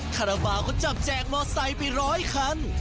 คาราบาลก็จับแจกมอไซค์ไปร้อยคัน